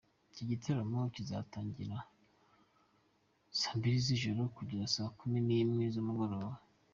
Iki gitaramo kizatangira mbiri z'ijoro kugeza saa kumi n'imwe za mu gitondo.